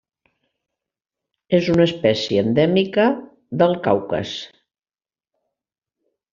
És una espècie endèmica del Caucas.